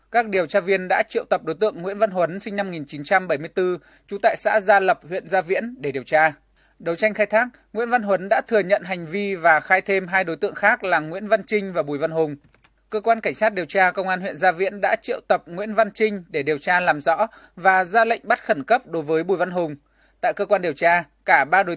cũng như phát hiện nơi chứa chấp tiêu thụ tài sản do người khác phạm tội mà có